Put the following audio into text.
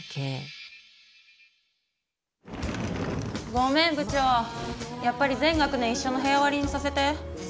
ごめん部長やっぱり全学年いっしょの部屋割りにさせて。